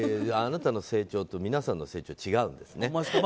あなたの成長と皆さんの成長は違うんですね。